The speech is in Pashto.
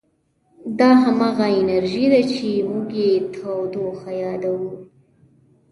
دا همغه انرژي ده چې موږ یې تودوخه یادوو.